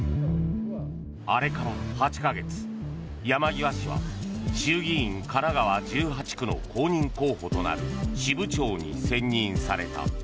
あれから８か月山際氏は衆議院神奈川１８区の公認候補となる支部長に選任された。